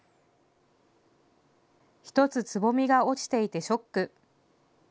１つつぼみが落ちていてショック。